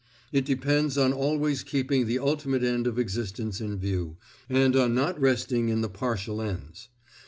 It depends on always keeping the ultimate end of existence in view, and on not resting in the partial ends.